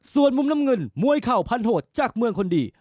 ส่วนมุมน้ำเงินมวยเข่าพันโหดจากเมืองคนดี